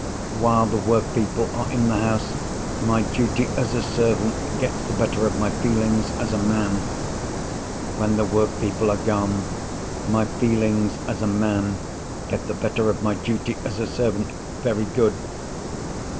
"While the workpeople are in the house, my duty as a servant gets the better of my feelings as a man. When the workpeople are gone, my feelings as a man get the better of my duty as a servant. Very good.